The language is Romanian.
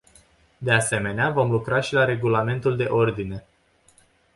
De asemenea, vom lucra și la regulamentul de ordine.